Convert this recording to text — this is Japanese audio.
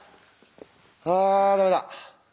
あダメだ。